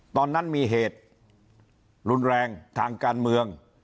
ตอนนั้นมีเหตุรุนแรงทางการเมือง